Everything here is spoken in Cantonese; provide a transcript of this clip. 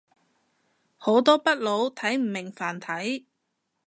好多北佬睇唔明繁體